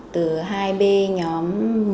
từ hai b nhóm một